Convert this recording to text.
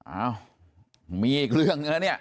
อ้าวมีอีกเรื่องหนึ่งนะเนี่ย